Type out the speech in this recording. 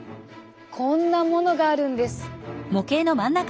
こんなものがあるんです。